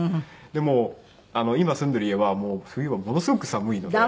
でも今住んでいる家は冬はものすごく寒いので。